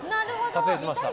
撮影しました。